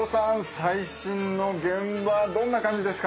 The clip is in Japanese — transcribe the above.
最新の現場はどんな感じですか？